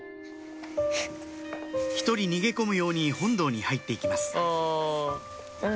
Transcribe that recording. １人逃げ込むように本堂に入って行きます